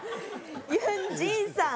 ユン・ジンさん